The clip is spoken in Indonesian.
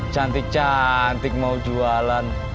cantik cantik mau jualan